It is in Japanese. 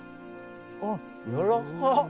あっやわらかっ。